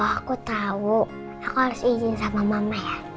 aku tahu aku harus izin sama mama ya